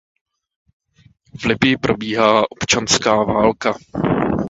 V Libyi probíhá občanská válka.